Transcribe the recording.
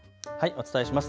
お伝えします。